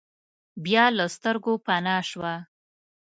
بیا له سترګو پناه شوه.